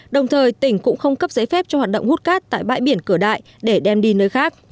đồng thời tỉnh cũng không cấp giấy phép cho hoạt động hút cát tại bãi biển cửa đại để đem đi nơi khác